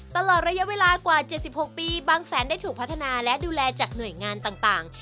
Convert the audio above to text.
ตลอดระยะเวลากว่า๗๖ปีบางแสนได้ถูกพัฒนาและดูแลจากหน่วยงานต่าง